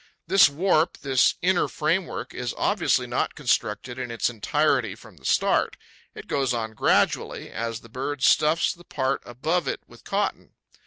This warp, this inner framework, is obviously not constructed in its entirety from the start; it goes on gradually, as the bird stuffs the part above it with cotton.